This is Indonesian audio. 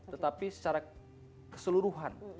tetapi secara keseluruhan